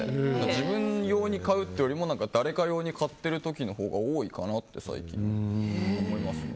自分用に買うっていうよりも誰か用に買ってる時のほうが多いかなって、最近思いますね。